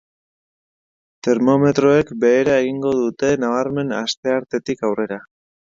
Termometroek behera egingo dute nabarmen asteartetik aurrera.